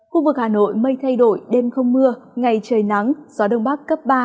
khu vực hà nội mây thay đổi đêm không mưa ngày trời nắng gió đông bắc cấp ba